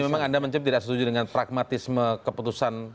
jadi memang anda mencoba tidak setuju dengan pragmatisme keputusan